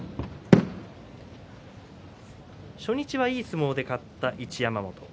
初日はいい相撲で勝ちました一山本。